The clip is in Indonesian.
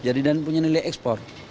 jadi dan punya nilai ekspor